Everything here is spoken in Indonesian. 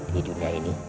di dunia ini